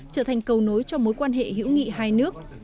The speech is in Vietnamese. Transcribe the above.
trở thành cầu nối cho mối quan hệ hữu nghị hai nước